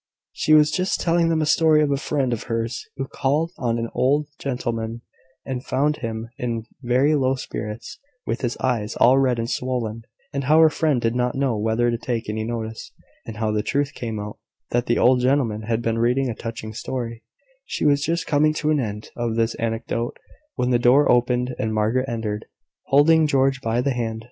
She was just telling them a story of a friend of hers who called on an old gentleman, and found him in very low spirits, with his eyes all red and swollen; and how her friend did not know whether to take any notice; and how the truth came out, that the old gentleman had been reading a touching story: she was just coming to the end of this anecdote, when the door opened and Margaret entered, holding George by the hand.